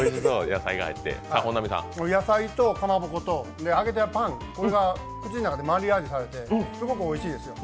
野菜とかまぼこと揚げたパン、これが口の中でマリアージュされてすごくおいしいですよ。